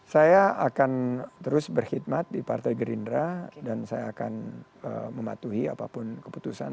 saya akan terus berkhidmat di partai gerindra dan saya akan mematuhi apapun keputusan